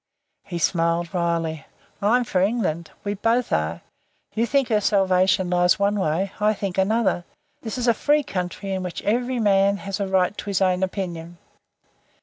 He smiled wryly. "I'm for England. We both are. You think her salvation lies one way. I think another. This is a free country in which every man has a right to his own opinion."